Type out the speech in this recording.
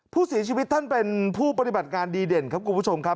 ผู้เสียชีวิตท่านเป็นผู้ปฏิบัติงานดีเด่นครับคุณผู้ชมครับ